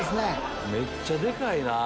めっちゃでかいな！